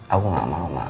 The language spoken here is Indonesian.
aku gak mau ma